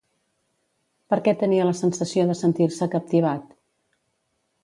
Per què tenia la sensació de sentir-se captivat?